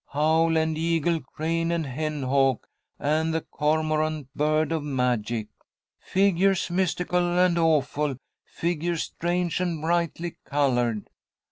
"Owl and Eagle, Crane and Hen hawk, And the Cormorant, bird of magic. "Figures mystical and awful, Figures strange and brightly coloured."